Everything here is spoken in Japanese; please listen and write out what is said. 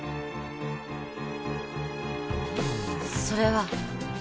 それは。